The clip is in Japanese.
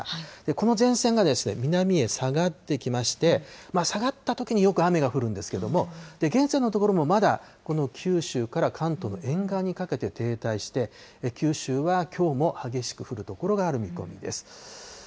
この前線が南へ下がってきまして、下がったときによく雨が降るんですけれども、現在のところもまだこの九州から関東の沿岸にかけて停滞して、九州はきょうも激しく降る所がある見込みです。